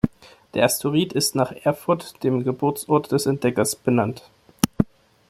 Der Asteroid ist nach Erfurt, dem Geburtsort des Entdeckers, benannt.